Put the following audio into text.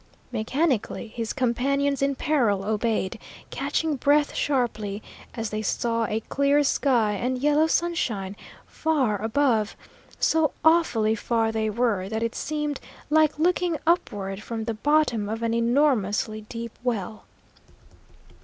Mechanically his companions in peril obeyed, catching breath sharply, as they saw a clear sky and yellow sunshine far above, so awfully far they were, that it seemed like looking upward from the bottom of an enormously deep well.